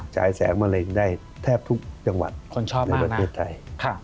จ่ายแสงมะเร็งได้แทบทุกจังหวัดคนชอบมากในประเทศไทยค่ะ